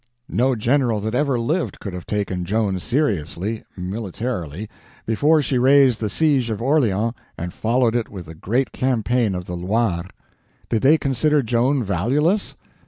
No general that ever lived could have taken Joan seriously (militarily) before she raised the siege of Orleans and followed it with the great campaign of the Loire. Did they consider Joan valueless?